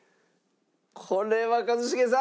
これは一茂さん。